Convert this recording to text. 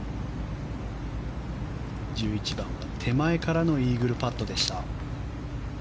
１１番は手前からのイーグルパットでした。